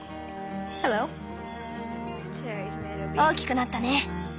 大きくなったね。